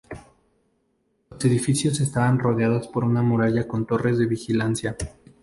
Los edificios estaban rodeados por una muralla con torres de vigilancia.